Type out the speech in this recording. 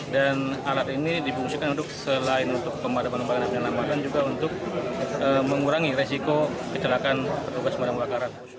dan alat ini dibungkikan untuk selain untuk pemadaman kebakaran yang dilakukan juga untuk mengurangi resiko penjelakan petugas pemadam kebakaran